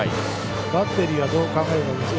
バッテリーがどう考えるか。